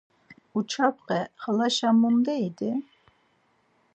“Uçapxe xalaşa munde idi?”